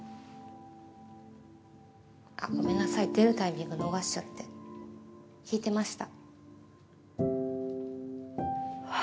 あっごめんなさい出るタイミング逃しちゃって聞いてました。